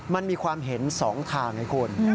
มันมีความเห็น๒ทางไงคุณ